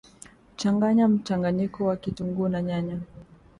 changanya mchanganyiko wa kitunguu na nyanya